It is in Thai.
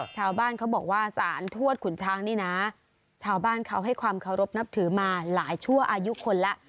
ชาวบ้านเขาบอกว่าสารทวดขุนช้างนี่นะชาวบ้านเขาให้ความเคารพนับถือมาหลายชั่วอายุคนแล้ว